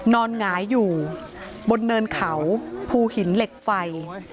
หงายอยู่บนเนินเขาภูหินเหล็กไฟ